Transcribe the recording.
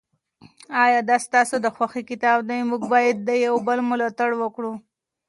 آیا دا ستاسو د خوښې کتاب دی؟ موږ باید د یو بل ملاتړ وکړو.